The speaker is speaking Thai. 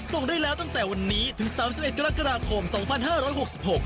ส่งได้แล้วตั้งแต่วันนี้ถึงสามสิบเอ็ดกรกฎาคมสองพันห้าร้อยหกสิบหก